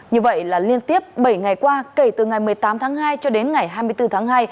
như vậy là liên tiếp bảy ngày qua kể từ ngày một mươi tám tháng hai cho đến ngày hai mươi bốn tháng hai